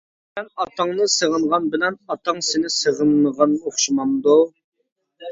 سەن ئاتاڭنى سېغىنغان بىلەن ئاتاڭ سېنى سېغىنمىغان ئوخشىمامدۇ؟ !